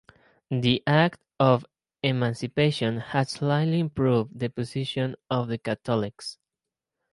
The Act of Emancipation had slightly improved the position of the Catholics.